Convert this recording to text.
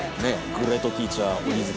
グレートティーチャー鬼塚。